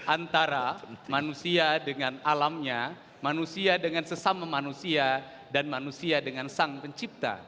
antara manusia dengan alamnya manusia dengan sesama manusia dan manusia dengan sang pencipta